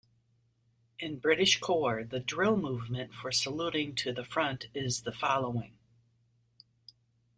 In British Corps, the drill movement for saluting to the front is the following.